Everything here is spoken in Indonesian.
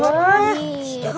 jangan atu ceng